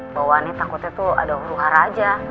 bahwa nih takutnya tuh ada huluhara aja